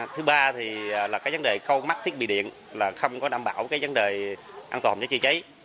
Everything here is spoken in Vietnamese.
thứ ba vấn đề câu mắt thiết bị điện không đảm bảo vấn đề an toàn cháy chữa cháy